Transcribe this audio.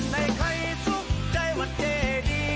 ให้ใครสุขใจวันเจดี